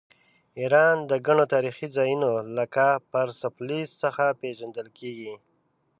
ایران د ګڼو تاریخي ځایونو لکه پرسپولیس څخه پیژندل کیږي.